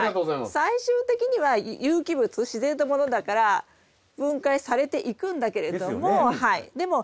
最終的には有機物自然のものだから分解されていくんだけれども。ですよね。